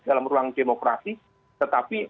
dalam ruang demokrasi tetapi